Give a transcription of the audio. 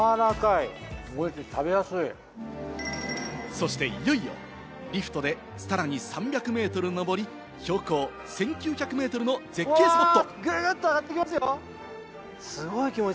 そしていよいよ、リフトでさらに３００ｍ上り、標高１９００ｍの絶景スポット。